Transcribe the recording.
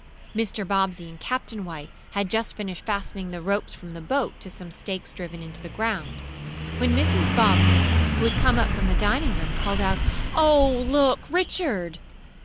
Mr. Bobbsey and Captain White had just finished fastening the ropes from the boat to some stakes driven into the ground, when Mrs. Bobbsey, who had come up from the dining room, called out: "Oh, look, Richard!"